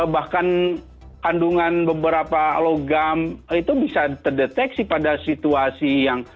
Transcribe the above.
bahkan kandungan beberapa logam itu bisa terdeteksi pada situasi yang